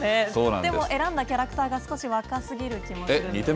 でも選んだキャラクターが少し若すぎる気もするんですけれども。